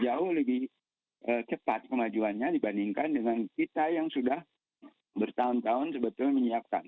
jauh lebih cepat kemajuannya dibandingkan dengan kita yang sudah bertahun tahun sebetulnya menyiapkan